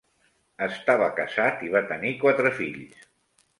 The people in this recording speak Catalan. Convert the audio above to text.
Estava casat i va tenir quatre fills.